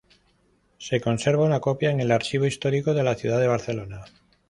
Se conserva una copia en el Archivo Histórico de la Ciudad de Barcelona.